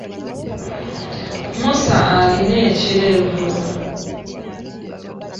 Musa alina ekirevu.